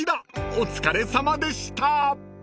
［お疲れさまでした］